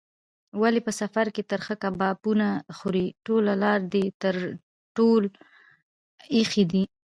ولې په سفر کې ترخه کبابونه خورې؟ ټوله لار دې ټر ټور ایښی دی.